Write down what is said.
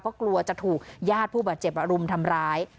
ก็กลัวจะถูกญาติผู้บาดเจ็บรุมทำร้าย